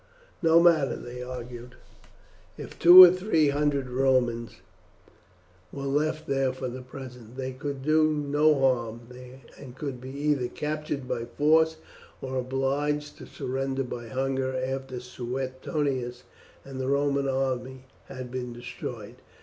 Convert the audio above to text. What matter, they argued, if two or three hundred Romans were left there for the present? They could do no harm, and could be either captured by force or obliged to surrender by hunger after Suetonius and the Roman army had been destroyed.